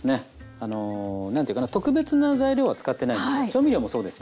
あの何て言うかな特別な材料は使ってないんですよ。